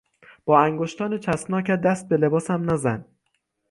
با انگشتان چسبناکت دست به لباسم نزن!